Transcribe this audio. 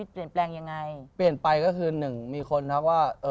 เปลี่ยนไปก็คือหนึ่งมีคนครับว่า